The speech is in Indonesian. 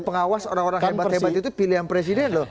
pengawas orang orang hebat hebat itu pilihan presiden loh